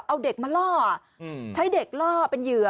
เอาเด็กมาล่อใช้เด็กล่อเป็นเหยื่อ